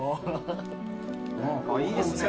あっいいですね。